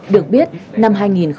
được biết năm hai nghìn sáu